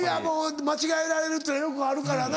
間違えられるっていうのはよくあるからな。